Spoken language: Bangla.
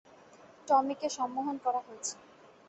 টমিকে সম্মোহন করা হয়েছে!